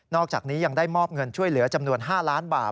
อกจากนี้ยังได้มอบเงินช่วยเหลือจำนวน๕ล้านบาท